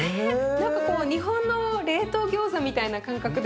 何かこう日本の冷凍ギョーザみたいな感覚で。